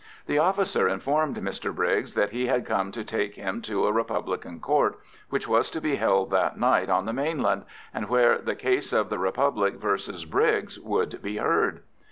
The officer informed Mr Briggs that he had come to take him to a republican court, which was to be held that night on the mainland, and where the case of the Republic v. Briggs would be heard.